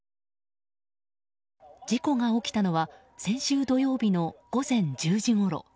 事故が起きたのは先週土曜日の午前１０時ごろ。